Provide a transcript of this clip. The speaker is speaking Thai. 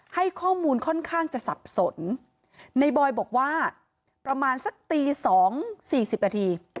ให้ข้อมูลค่อนข้างจะสับสนในบอยบอกว่าประมาณสักตีสองสี่สิบนาที